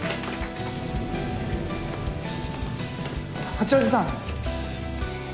・八王子さん。